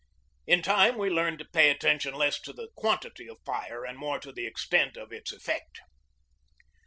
In time we learned to pay attention less to the quantity of fire and more to the extent of its effect.